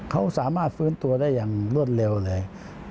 เขาสามารถฟื้นตัวได้อย่างรวดเร็วเลย